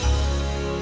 baik kita berangkat dulu